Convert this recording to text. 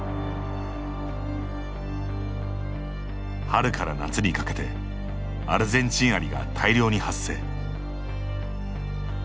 春から夏にかけてアルゼンチンアリが大量に発生。